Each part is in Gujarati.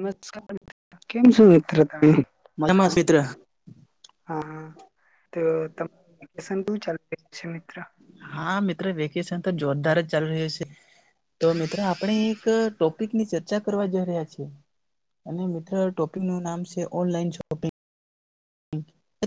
નમસ્કાર [unintelligible] કેમ છો મિત્ર તમે. [inaudible] [unintelligible] [unintelligible] ચાલી મિત્ર. હા મિત્ર વેકેશન તો જોરદાર જ ચાલુ રહ્યું છે. તો મિત્રો આપણે એક ટોપિકની ચ ચર્ચા કરવા જઈ રહ્યા છે. અને મિત્રો ટોપિક નું નામ છે ઓનલાઈન શોપિંગ.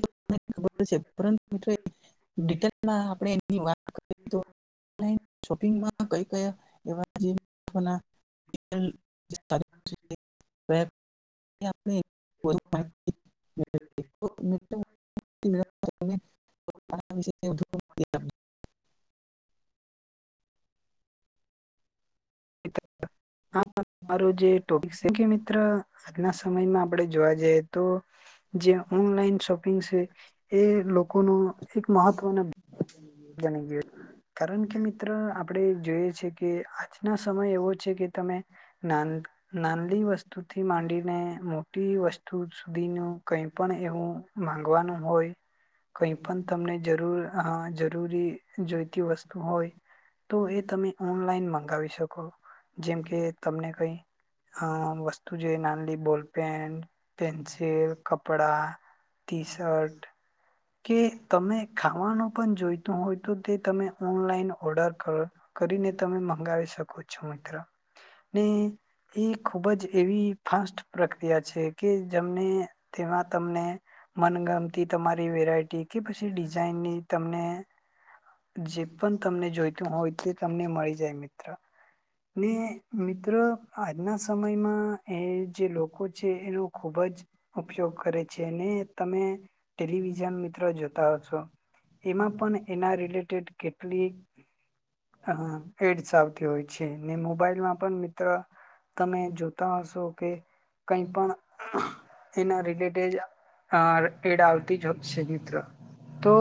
[unintelligible] મો આપણે વાત કરી તો ક [unintelligible] [inaudible] [inaudible] [inaudible] હારો જે ટોપિક્સ [unintelligible] મિત્ર. આજના સમયમાં આપડે જોવા જઈએ તો જે ઓનલાઈન શોપિંગ શે એ લોકોનો એક મહત્ત્વનો જાનીએ, કારણ કે મિત્ર આ આપણે જોઈએ છે કે આજના સમય એવો છે કે તમે નાન્ક નાંનલી વસ્તુથી માંડીને મોટી વસ્તુ સુધીનું કઈ પણ એવું માંગવાનું હોય, કઈ પણ તમને જરૂર હા જ જરૂરી જોઈતી વસ્તુ હોય તો એ તમે ઓનલાઈન મંગાવી શકો. જેમ કે તમને કઈ અ વસ્તુ જે નાનલી બોલપેન, પેન્સિલ, કપડા, ટી શર્ટ કે તમે ખાવાનું પણ જોઈતું હોય તો તે તમે ઓનલાઈન ઓર્ડર ક કરીને તમે મંગાવી શકો છો મિત્ર. ને એ ખૂબ જ એવી ફાસ્ટ પ્રક્રિયા છે કે જેમને તેમાં તમને મનગમતી તમારી વેરાયટી કે પછી ડિઝાઇનની તમને જે પણ તમને જોઈતું હોય તે તમને મળી જાય મિત્ર ને મી [unintelligible] આજના સમયમાં એ જે લોકો છે એનો ખુબ જ ઉપયોગ કરે છે ને તમે ટેલિવિઝન મિત્રો જોતા છો. એમાં પણ એના રિલે કેટ કેટલીક અ એડ આવતી હોય છે ને મોબાઈલમાં પણ મિત્ર તમે જોતા હશો કે કઈ પણ એના રિલેટેજ આ એડ આવતી જ હોયશે મિત્ર તો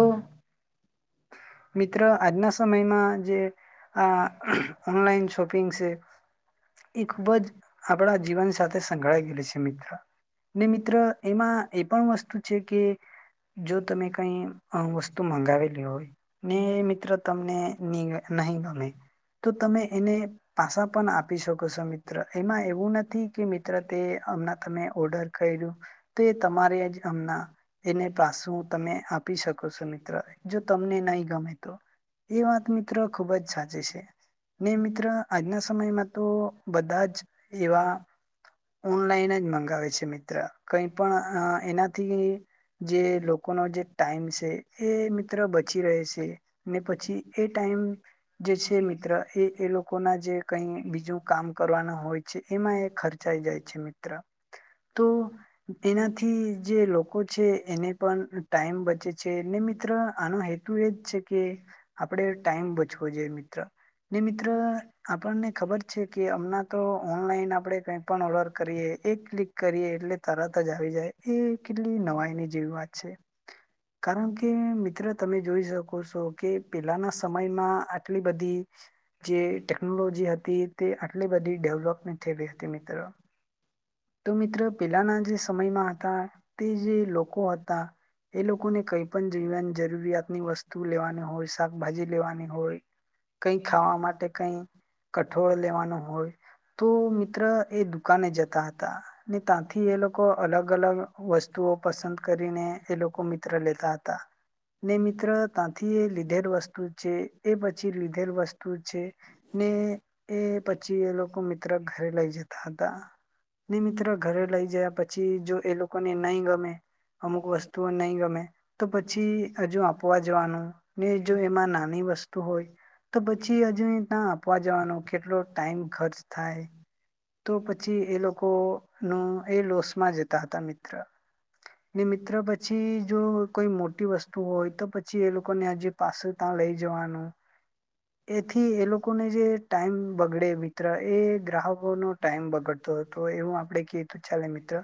મિત્ર આજના સમયમાં જે આ ઓનલાઈન શોપિંગ છે, એ ખુબ જ આપણા જીવન સાથે સંકળાય ગેલી છે મિત્ર. ને મિત્ર એમાં એ પણ વસ્તુ છે કે જો તમે કઈ વસ્તુ મંગાવેલી હો ને મિત્રો તમને ન-નહી ગમે. તો તમે એને પાસા પણ આપી શકો છો મિત્ર એમાં એવું નથી કે મિત્ર તે હમણા તમે ઓર્ડર કર્યું. તે તમારે એજ હમનાં એને પાછું તમે આપી શકો છો મિત્રો. જો તમને નહીં ગમે તો એ વાત મિત્ર ખૂબ જ સાચી છે ને મિત્ર આજના સમયમાં તો બધા જ એવા ઓનલાઈન જ મંગાવે છે મિત્ર કઈ પણ એનાથી જે લોકોનો જે ટાઈમ છે. એ મિત પછી રહે છે ને પછી એ ટાઈમ જે છે મિત્ર એ જે લોકો ના જે કઈ બીજું કામ કરવાનું હોય છે એમાં એ ખર્ચાઈ જાય છે મિત્ર. તો એનાથી જે લોકો છે એને પણ ટાઈમ બચે છે ને મિત્ર આનો હેતુ એ જ છે કે આપણે ટાઈમ બચવો જોઈએ મિત્ર ને મિત્ર આપણને ખબર છે કે અમણા તો ઓનલાઈન આપણે કંઈ પણ ઓર્ડર કરીએ એક ક્લિક કરીએ એટલે તરત જ આવી જાય એ કેટલી નવાઈની જેવી વાત છે કારણ કે મિ મિત્ર તમે જોઈ શકો શો કે પેલાના સમયમાં આટલી બધી જે ટેકનોલોજી હતી તે આટલી બધી ડેવલોપમેન્ટ થઈ ગઈ હતી મિત્ર. તો મિત્ર પેલાના જે સમયમાં હતા તે જે લોકો હતા એ લોકો ને કંઈ પણ જીવવાની જરૂર જરૂરિયાત ની વસ્તુ લેવાની હોય શાકભાજી લેવાની હોય કંઈ ખાવા માટે કંઈ કઠોળ લેવાનું હોય. તો મિત્ર એ દુ દુકાને જતા હતાં ને ત્યાંથી એ લોકો અલગ-અલગ વસ્તુઓ પસંદ કરીને એ લોકો મિત્ર લેતા હતા. ને મિત્ર ત્યાંથી એ લીધેલ વસ્તુ જે એ પછી લીધેલ વસ્ છે ને તે પછી એ લોકો મિત્ર ઘરે લઈ જતા હતાં. ને મિત્રો ઘરે લઈ જયા પ છી જો એ લોકોને નહીં ગમે, અમુક વસ્તુઓ નહીં ગમે તો પછી હ આપવા જવાનું ને જો એમાં નાની વસ્તુ હોય તો પછી હજુ ત્યાં આપવા વા જવાનો કેટલો ટાઈમ ખર્ચ થાય. તો પછી એ લોક લોકોનું એ લોસ માં જતા હતા મિત્ર ને મિત્ર પછી જો કોઈ મોટી વસ્તુ હોય તો પછી એ લોકોને અજી પાસે ત્યાં લઈ જવાનું એથી એ લોકોને જે ટાઈમ બગડે મિત્ર એ ગ્રાહક નો ટાઈમ બગડતો હતો એવું આપડે કઈ તો ચાલે મિત્ર.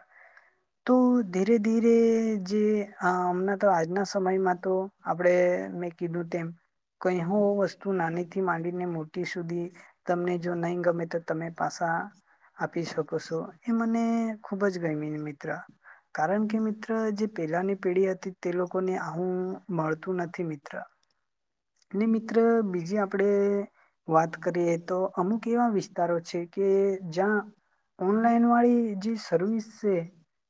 તો ધીરે ધીરે જે જે હમણાં તો આજના સમયમાં તો આપણેે મેં કીધું તેમ કઈ હો વસ્તુ નાની થી માંડીને મોટી સુધી તમને જો નહી ગમે તો તમે પાસા આપી શકો છું. એ મને ખુબ જ ગમી મિત્ર કારણ કે મિત્ર જે પેલાની પેઢી હતી તે લોકોને આવું મળતું નથી મિત્ર. ને મિત્ર બીજી આપડે વાત કરીએ તો અમુક એવા વિ તારો છે કે જ્યાં ઓનલાઈન વાળી જીસ સર્વિસ સે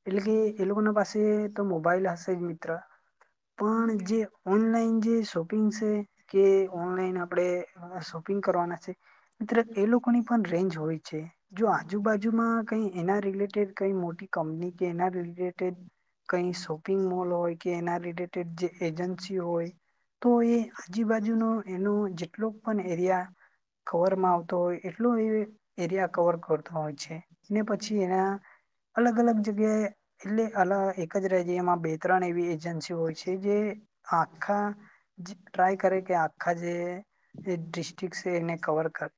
એટલે કે એ લોકો ના પાસે તો મોબાઈલ હશે જ મિત્ર પણ જે ઓનલાઈન જે શોપિંગ છે. કે ઓનલાઈન આપણે શોપિંગ કરવાના છે મિત્ર એ લોકોની પણ રેન્જ હોય છે જો આજુબાજુમાં કઈ એના રિલેટેડ કઈ મોટી કંપની કે એના રિલેટેડ કઈ શોપિંગ મોલ હોય કે એના રિલેટેડ જે એજન્સી હોય તોય જી બાજુનો એનો જેટલો પણ એરિયા કવરમાં આવતો હોય એટલો એ એરિયા કવર કરતો હોય છે. ને પછી એના અલગ અલગ જગ્યાએ એટલે અ એક જ રહે છે એમાં બે ત્રણ એવી એજન્સી હોય છે જે આખા ટ્રાય કરે કે આખા જે ડિસ્ટ્રિક છે એને કવર કરે.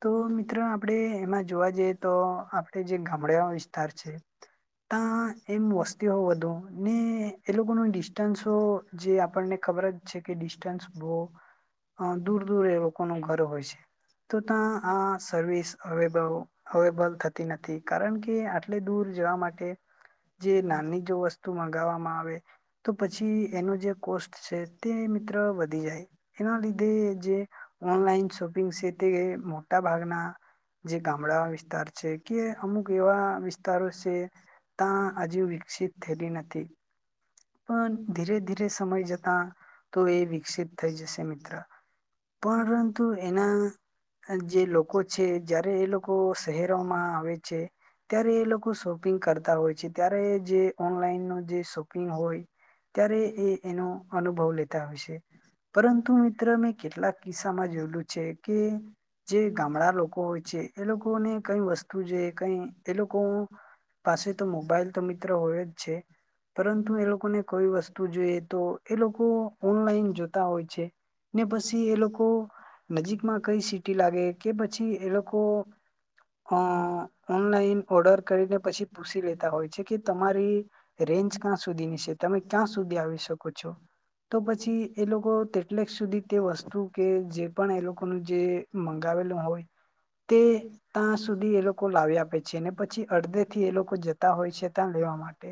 તો મિત્રો આપણે એમાં જોવા જઈએ તો આપડે જે ગામડા વિસ્તાર છે. [unintelligible] એમ વસ્તુ વધુ ને એ લોકો નો ડિસ્ટન્સ જે આપણને ખબર જ છે કે [inaudible] દૂર દૂર એ લોકો ન ઘર હોય છે. તો ત આ સર્વિસ હવે બઉ હવે બંધ થતી નથી કારણ કે આટલે દૂર જવા માટે જે નાની જો વસ્તુ મંગાવવામાં આવે તો પછી એનો જે કોસ્ટ છે કે ચિત્ર વધી જાય. એના લીધે જે ઓનલાઈન શોપિંગ છે તે મોટા ભાગના જે ગામડા વિસ્તાર છે કે અમુક એવા વિસ્તારો છે ત્યાં હજી વિકસિત થયેલી નથી. પણ ધીરે ધીરે સમય જતા તો એ વિકસિત થઈ જશે મિત્ર. પણ પરંતુ એના જે લોકો છે જય્યારે એ લોકો શહેરોમાં આવે છે, ત્યારે એ લોકો શોપિંગ કરતા હોય છે ત્યારે જે ઓનલાઈન જે શોપ હોય ત્યારે એ એનો અનુભવ લેતા હોય છે. પરંતુ મિત્ર મેં કેટલાક કિસ્સામાં જોયેલું છે કે જે ગામડા લોકો હોય છે. એ લોકોને કઈ વસ્તુ છે કઈ એ લોકો પાસે તો મોબાઈલ તો મિત્ર હોય જ. છે. પરંતુ એ લોકોને કોઈ વસ્તુ જોઈએ તો એ લોકો ઓનલાઈન જોતા હોય છે. ને પછી એ લોકો નજીકમાં કઈ સીટી લાગે કે પછી એ લોકો અ-ઓનલાઈન ઓર્ડર કરીને પછી પૂછી લેતા હોય છે કે તમારી રેન્જ ક્યાં સુધી નીશે તમે ક્યાં સુધી આવી શકો છો? તો પછી એ લોકો તેટલેક સુધી તે વસ્તુ કે જે પણ એ લોકોનું જે મંગાવેલું હોય તે ત સુધી એ લોકો લાવી આપે છે ને પછી અડધેથી એ લોકો જતા હોય છે ત્યાં લેવા માટે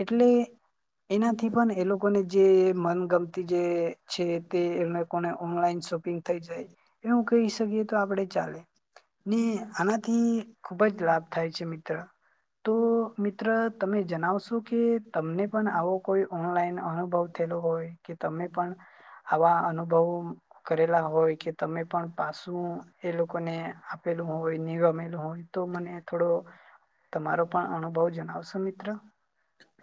એટલે એનાથી પણ એ લોકોને જે મનગમતી જે છે તે એને કોને ઓનલાઈન શોપિંગ થઈ જાય એવું કહી શકીએ તો આપણે ચાલે ને આનાથી ખુબ જ લાભ થાય છે મિત્ર. તો મિત્ર તમે જણાવશો કે તમને પણ આવો કોઈ ઓનલાઈન અનુભવ થયેલો હોય કે તમે પણ આવા અનુભવ કરેલા હોય કે તમે પણ પાછું એ લોકોને આપેલું હોય નિ ગમેલું હોય તો મને થોડો તમારો પણ અનુભવ જણાવશો મિત્ર?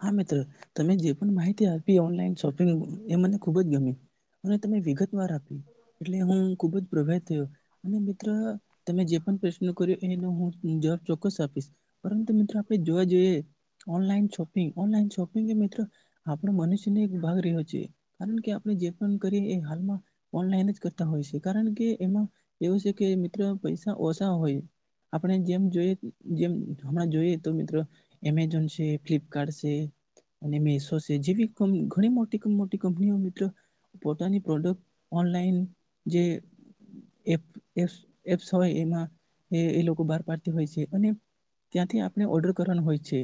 હા મિત્ર તમે જે પણ માહિતી આપી ઓનલાઈન શોપિંગ એ મને ખુબ જ ગમી અને ત વિગત વાર આપી એટલે હું ખુબ જ પ્રભિત થયો અને મિત્ર. તમે જે પણ પ્રશ્નો એ હું જવાબ ચોક્કસ આપીશ પરંતુ મિત્રો આપણે જોવા જઈએ ઓનલાઈન શોપ ઓનલાઈન શોપિંગ એ મિત્ર આપણે મનુષ્યને એક ભાગ રહ્યો છે કારણ કે આપણે જે પણ કરીએ એ હાલમાં ઓનલાઈન જ કરતા હોય છે કારણ કે એમાં એવું છે કે મિત્રો પૈસા ઓછા હોય આપણે જેમ જોઈ જેમ હમણાં જોઈએ તો મિત્રો એમેઝોન છે, ફ્લિપ અને મિશો છે જેવી ઘણી મોટી મોટી કંપનીઓ મિત્રો. પોતાની પ્રોડક્ટ ઓનલાઈન જે એપ-એપ-એપ્સ હોય એમાં એ એ લોકો બહાર પાડતા હોય છે અને ત્યાંથી આપણે ઓર્ડર કરવાનું હોય છે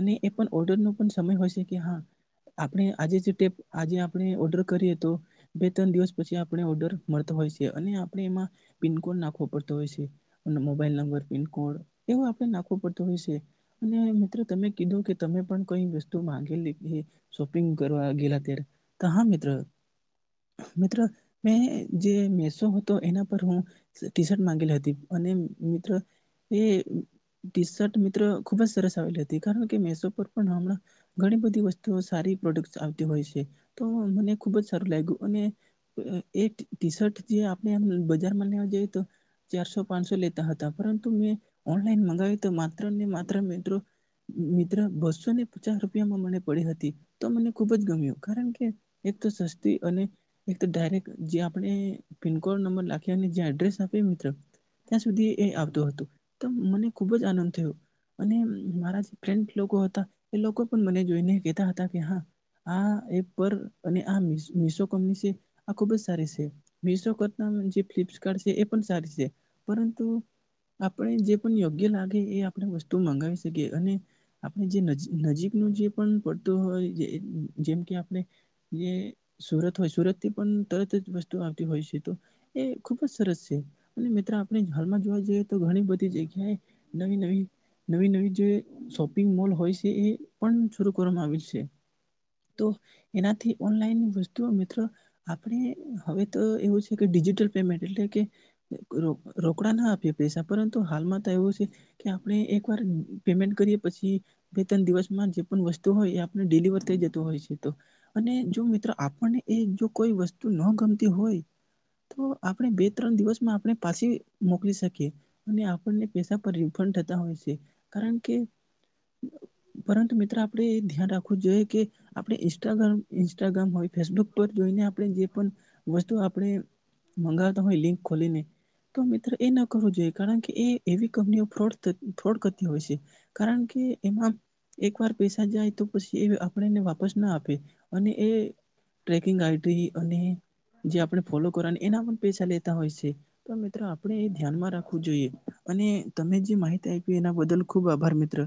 અને એ પણ ઓર્ડરનો પણ સમય હોય શે કે હા આપણે આજે જે ટેપ આજે આપણે ઓર્ડર કરીએ તો બે ત્રણ દિવસ પછી આપણે ઓર્ડર મળતા હોય છે અને આપણે એમાં પિનકોડ નાખવો પડતો હોય છે. મોબાઈલ નંબર, પિન કોડ એવું આપણે નાખવો પડતું હોય છે અને મિત્રો તમે કીધું કે તમે પણ કોઈ વસ્તુ માંગેલી શોપિંગ કરવા ગયલા ત્યારે તો હા મિત્ર મિત્ર મેં જે મિશો હતો એના પર હું ટી-શર્ટ માંગેલી હતી અને મિત્ર એ ટી-શર્ટ મિત્ર ખુબ જ સરસ આવેલી હતી કારણ કે મિશો ઘણી બધી વસ્તુઓ સારી પ્રોડ્કટસ આવતી હોય છે તો મને ખુબ જ સારું લાગ્યું અને અ એક ટી શર્ટ જે આપણે આમ બજારમાં લેવા જઈએ તો ચારસો પાંચસો લેતા હતાં પરંતુ મેં ઓનલાઈન મંગાવી તો માત્ર ને માત્ર મિત્રો મિત્ર બસો ને પચાસ રૂપિયામાં મને પડી હતી તો મને ખુબ જ ગમ્યું કારણ કે એક તો સસ્તી અને એક ડાયરેક જે આપણે પિનકોડ નંબર લાખી એડ્રેસ આપ મિત્રો ત્યાં સુધી એ આવતું હતું તો મને ખૂબ જ આનંદ થયો અને મારા અ જે ફ્રેન્ડ લોકો હતાં એ લોકો પણ મને જોઈને કહેતા હતા કે હા, આ એપ પર અને આ મી મીશો કંપની શે આ ખુબ જ સારી શે, મિશો કરતા જે ફ્લિપસકાર્ટ છે એ પણ સારી શે પરંતુ આપણે જે પણ યોગ્ય લાગે એ આપણે વસ્તુ તો મંગાવી શકીએ અને આપણે જે નજી નજીકનું જે પણ પડતું હોય જે જેમ કે આપણે જે યે સુરત હોય સુરતથી પણ તરત જ વસ્તુ આવતી હોય છે તો એ ખૂબ જ સરસ છે અને મિત્ર આપણે હાલમાં જોવા જઈએ તો ઘણી બધી જગ્યાએ નવી-નવી-નવી-નવી જે શોપિંગ મોલ હોય છે. તે એ પણ શરૂ કરવામાં આવેલ શે. તો એનાથી ઓનલાઈન વસ્તુઓ ત્રો આપણે હવે તો એવું છે કે ડિજિટલ પેમેન્ટ એટલે કે ક રોકડા ના આપીએ પૈસા પરંતુ હાલમાં તો એવું શે કે આપણે એક વાર પેમેન્ટ કરીએ પશી બે ત્રણ દિવસમાં જે પણ વસ્તુ હોય એ આપને ડિલિવર થઈ જતું હોય છે તો અને જો મિત્રો આપણને એ જો કોઈ વસ્તુ ન ગમતી હોય તો આપણે બે ત્રણ દિવસમાં આપણે પાશી મોકલી શકીએ અને આપણને પૈસા પર રિફંડ થતા હોય છે કારણ કે પરંતુ મિત્ર આપે એ ધ્યાન રાખવું જોઈએ કે આપણે ઇન્સ્ટાગ્રામ-ઇન્સ્ટાગ્રામ હોય ફેસબુક પર જોઈને આપણે જે પણ વસ્તુઓ આપણે મંગાવતા હોય લિંક ખોલીને તો મિત્ર એ ના કરવું જોઈએ કારણ કે એવી કંપનીઓ ફ્રોડ થત ફ્રોડ કરતી હોય છે કારણ કે એમાં એક વાર પૈસા જાય તો પછી એ આપણે એને વાપસ ના આપે અને એ ટ્રેકિંગ આઈ ડી અને જે આપણે ફોલો કરવાની એના પણ પૈસા લેતા હોય છે તો મિત્રો આપણે એ ધ્યાનમાં રાખવું જોઈએ અને તમે જે માહિતી આય પી એના બદલ ખૂબ આભાર મિત્ર.